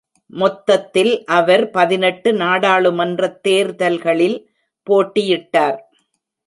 மொத்தத்தில் அவர் பதினெட்டு நாடாளுமன்றத் தேர்தல்களில் போட்டியிட்டார்.